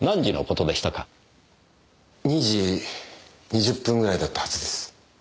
２時２０分ぐらいだったはずです。